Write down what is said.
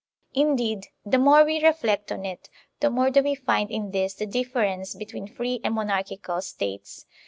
Indeed, the more we reflect on it, the more do we find in this the difference between free and monarchical States.